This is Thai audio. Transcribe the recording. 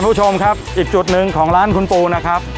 คุณผู้ชมครับอีกจุดหนึ่งของร้านคุณปูนะครับ